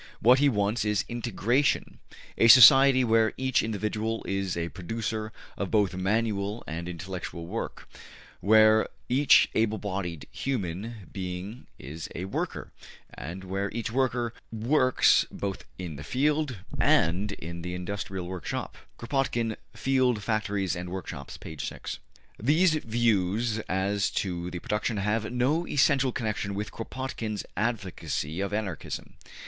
What he wants is INTEGRATION, ``a society where each individual is a producer of both manual and intellectual work; where each able bodied human being is a worker, and where each worker works both in the field and in the industrial workshop.'' Kropotkin, ``Field, Factories, and Workshops,'' p. 6. These views as to production have no essential connection with Kropotkin's advocacy of Anarchism.